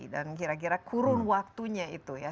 dan kira kira kurun waktunya itu ya